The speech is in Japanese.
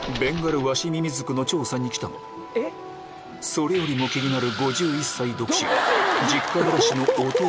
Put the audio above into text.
それよりも気になる